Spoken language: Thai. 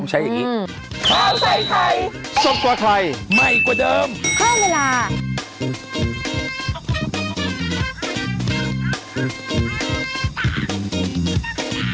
ใช้อย่างงี้ข้าวไทยไทยส้มกว่าไทยใหม่กว่าเดิม